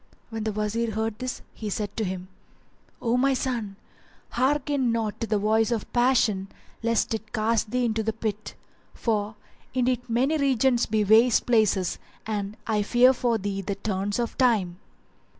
When the Wazir heard this, he said to him, "O my son, hearken not to the voice of passion lest it cast thee into the pit; for indeed many regions be waste places and I fear for thee the turns of Time."